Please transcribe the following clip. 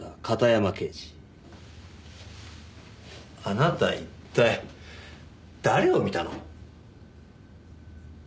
あなた一体誰を見たの？